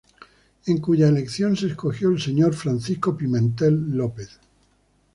En cuya elección se escogió al Señor Francisco Pimentel López.